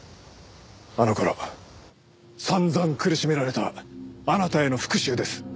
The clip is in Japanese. あの頃散々苦しめられたあなたへの復讐です。